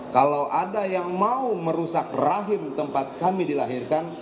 kalau ada yang mau merusak rahim tempat kami dilahirkan